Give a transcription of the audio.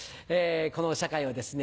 この社会をですね